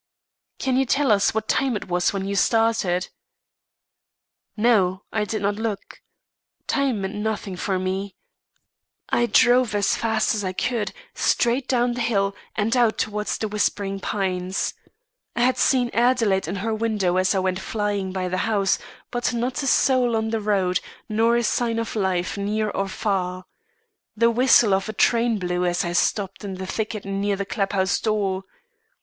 "Can you tell us what time it was when you started?" "No. I did not look. Time meant nothing to me. I drove as fast as I could, straight down the hill, and out towards The Whispering Pines. I had seen Adelaide in her window as I went flying by the house, but not a soul on the road, nor a sign of life, near or far. The whistle of a train blew as I stopped in the thicket near the club house door.